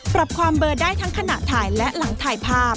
ปรับความเบอร์ได้ทั้งขณะถ่ายและหลังถ่ายภาพ